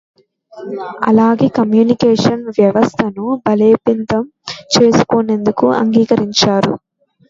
అలాగే కమ్యూనికేషన్ వ్యవస్థను బలోపేతం చేసుకొనేందుకు అంగీకరించారు.